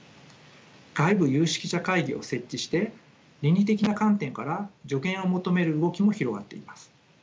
外部有識者会議を設置して倫理的な観点から助言を求める動きも広がっています。